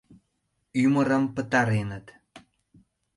Ӱмырым пытареныт!..